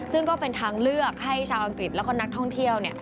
ซึ่งก็เป็นทางเลือกให้ชาวอังกฤษแล้วก็นักท่องเที่ยว